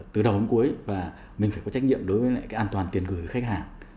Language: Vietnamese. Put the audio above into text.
từ đầu đến cuối và mình phải có trách nhiệm đối với lại cái an toàn tiền gửi khách hàng